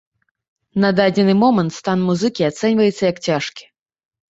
На дадзены момант стан музыкі ацэньваецца як цяжкі.